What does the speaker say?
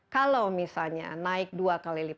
kalau misalnya naik dua kali lipat